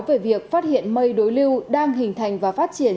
về việc phát hiện mây đối lưu đang hình thành và phát triển